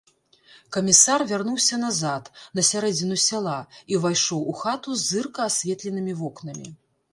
Камісар вярнуўся назад, на сярэдзіну сяла, і ўвайшоў у хату з зырка асветленымі вокнамі.